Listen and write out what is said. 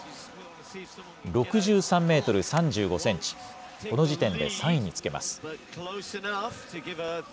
６３メートル３５センチ、この時点で３位につけます。